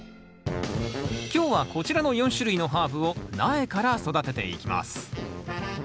今日はこちらの４種類のハーブを苗から育てていきます。